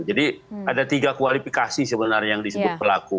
jadi ada tiga kualifikasi sebenarnya yang disebut pelaku